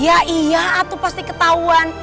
ya iya aku pasti ketahuan